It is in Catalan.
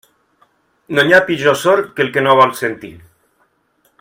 No hi ha pitjor sord que el que no vol sentir.